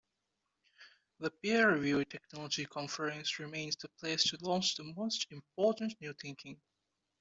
The peer-reviewed technology conference remains the place to launch the most important new thinking.